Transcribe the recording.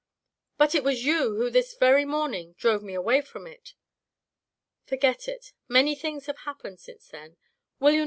" But it was you who this very morning drove me away from it." " Foi^et it. Many things have happened since then.